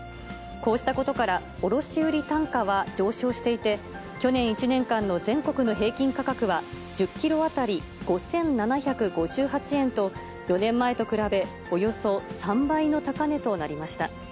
こうしたことから、卸売単価は上昇していて、去年１年間の全国の平均価格は、１０キロ当たり５７５８円と、４年前と比べ、およそ３倍の高値となりました。